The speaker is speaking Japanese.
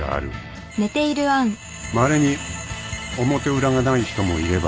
［まれに表裏がない人もいれば］